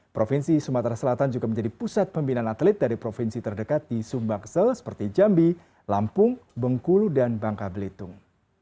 provinsi sumatera selatan juga menjadi pusat pembinaan atlet dari provinsi terdekat di sumbaksel seperti jambi lampung bengkulu dan bangka belitung